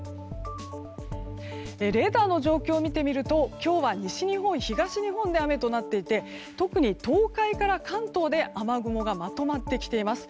レーダーの状況を見てみると今日は西日本、東日本で雨となっていて特に東海から関東で雨雲がまとまってきています。